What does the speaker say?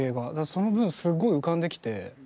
その分すっごい浮かんできて。